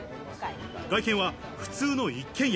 外見は普通の一軒家。